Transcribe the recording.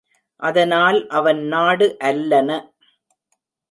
அதனால், அவன் நாடு அல்லன.